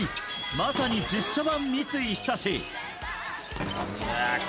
まさに実写版、三井寿。